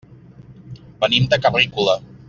Venim de Carrícola.